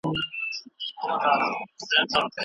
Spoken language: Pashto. ما په دغه ویبسایټ کي د مننې د پوره کېدو کیسې ولیدلې.